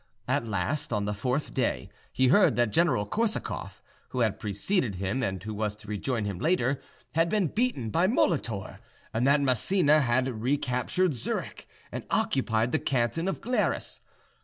At last, on the fourth day, he heard that General Korsakoff, who had preceded him and who was to rejoin him later, had been beaten by Molitor, and that Massena had recaptured Zurich and occupied the canton of Glaris.